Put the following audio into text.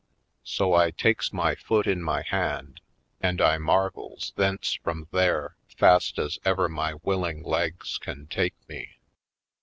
So I takes my foot in my hand and I marvils thence from there fast as ever my willing legs can take me.